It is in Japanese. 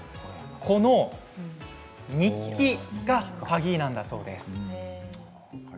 この日記が鍵だそうです。